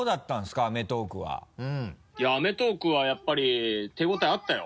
いや「アメトーーク！」はやっぱり手応えあったよ。